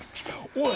おい。